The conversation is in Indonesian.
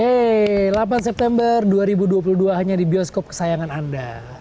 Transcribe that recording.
yeay delapan september dua ribu dua puluh dua hanya di bioskop kesayangan anda